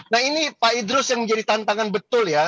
nah ini pak idrus yang menjadi tantangan betul ya